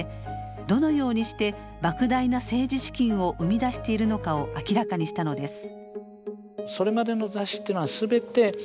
どのようにしてばく大な政治資金を生み出しているのかを明らかにしたのです。